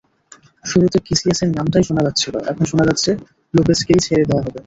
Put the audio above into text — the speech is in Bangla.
শুরুতে ক্যাসিয়াসের নামটাই শোনা যাচ্ছিল, এখন শোনা যাচ্ছে লোপেজকেই ছেড়ে দেওয়া হবে।